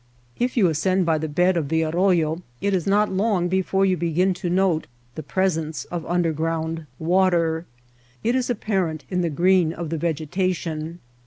If you ascend by the bed of the arroyo it is not long before you begin to note the presence of underground water. It is apparent in the green of the vegetation.